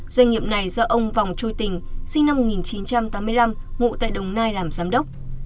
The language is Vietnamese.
doanh nghiệp này do ông vòng chui tình sinh năm một nghìn chín trăm tám mươi năm ngụ tại đồng nai làm giám đốc